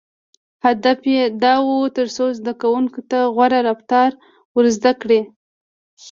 • هدف یې دا و، تر څو زدهکوونکو ته غوره رفتار ور زده کړي.